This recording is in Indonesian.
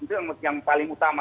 itu yang paling utama